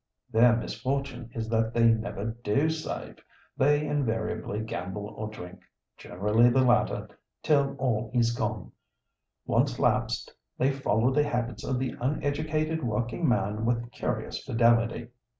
"Their misfortune is that they never do save. They invariably gamble or drink—generally the latter—till all is gone. Once lapsed, they follow the habits of the uneducated working man with curious fidelity."